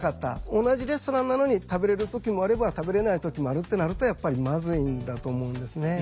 同じレストランなのに食べれる時もあれば食べれない時もあるってなるとやっぱりまずいんだと思うんですね。